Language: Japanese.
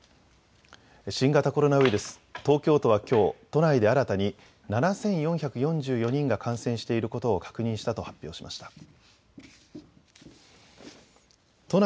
新型コロナウイルス東京都はきょう、都内で新たに７４４４人が感染していることを確認したと発表しました。